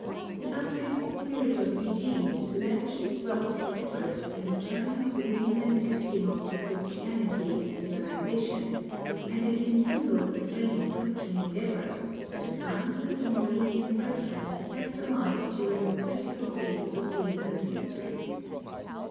The altruistic spirit of Egede lavished its wealth of effort in the turning of the Greenland Eskimo to Christianity and civilization, and it enkindled the flame of Christian endeavor that Crantz and the Moravian breth ren kept alive during the critical phases of Greenland's history.